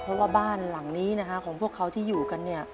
เพราะว่าบ้านหลังนี้นะฮะของพวกเขาที่อยู่กันเนี่ย